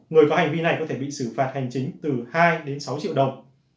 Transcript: người có hành vi này có thể bị xử phạt hành chính từ hai đến sáu triệu đồng